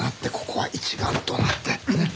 ここは一丸となってねっ。